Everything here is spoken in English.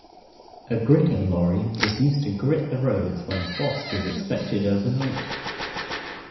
A gritting lorry is used to grit the roads when frost is expected overnight